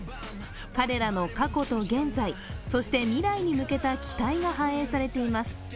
彼らの過去と現在、そして未来に向けた期待が反映されています。